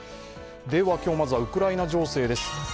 今日、まずはウクライナ情勢です。